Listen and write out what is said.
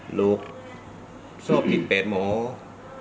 หลุกสอบผิดแปดหมู